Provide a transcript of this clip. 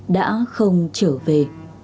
đã không trở về